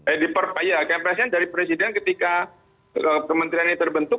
eh di perpaya capresnya dari presiden ketika kementerian ini terbentuk